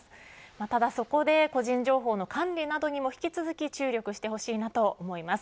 ただ、そこで個人情報の管理などにも引き続き注力してほしいと思います。